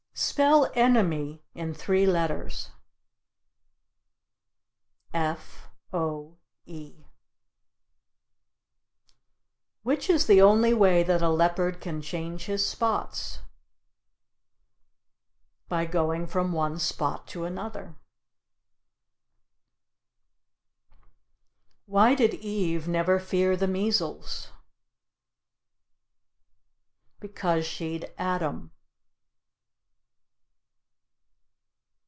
Spell "enemy" in three letters? F O E. Which is the only way that a leopard can change his spots? By going from one spot to another. Why did Eve never fear the measles? Because she'd Adam.